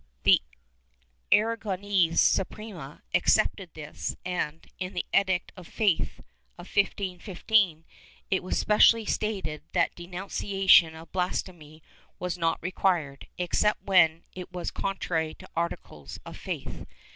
* The Aragonese Suprema accepted this and, in the Edict of Faith of 1515, it was specially stated that denunciation of blasphemy was not required, except when it was contrary to articles of faith.